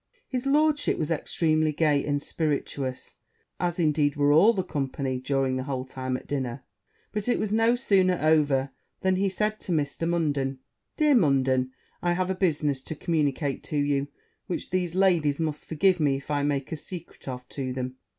His lordship was extremely gay and spiritous, as, indeed, were all the company, during the whole time at dinner: but it was no sooner over, than he said to Mr. Munden, 'Dear Munden, I have a business to communicate to you which these ladies must forgive me if I make a secret of to them.'